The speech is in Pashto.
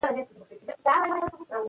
منی د افغانستان د سیلګرۍ برخه ده.